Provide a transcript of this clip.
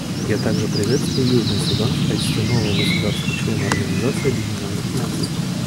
Я также приветствую Южный Судан в качестве нового государства-члена Организации Объединенных Наций.